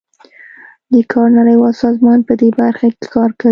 د کار نړیوال سازمان پدې برخه کې کار کوي